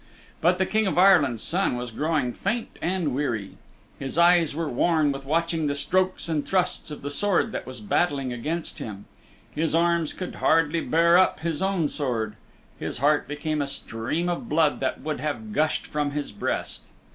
But the King of Ireland's Son was growing faint and weary. His eyes were worn with watching the strokes and thrusts of the sword that was battling against him. His arms could hardly bear up his own sword. His heart became a stream of blood that would have gushed from his breast.